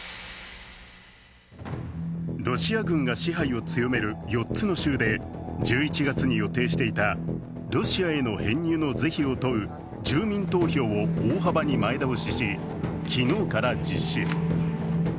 ロシア軍が支配を強める４つの州で１１月に予定していたロシアへの編入の是非を問う住民投票を大幅に前倒しし、昨日から実施。